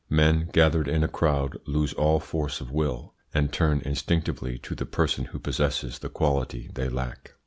Men gathered in a crowd lose all force of will, and turn instinctively to the person who possesses the quality they lack.